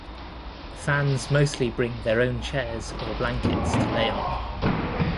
Fans mostly bring their own chairs or blankets to lay on.